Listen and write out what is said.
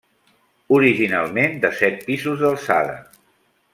Originalment de set pisos d'alçada.